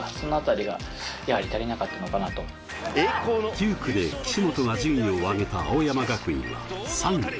９区で岸本が順位を上げた青山学院は３位。